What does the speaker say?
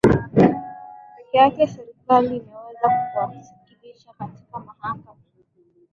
pekee yake serikali inaweza kuwakilisha katika mahakama